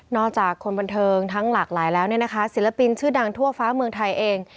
จากคนบันเทิงทั้งหลากหลายแล้วเนี่ยนะคะศิลปินชื่อดังทั่วฟ้าเมืองไทยเอง